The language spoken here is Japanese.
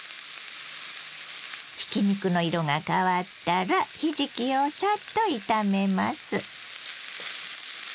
ひき肉の色が変わったらひじきをさっと炒めます。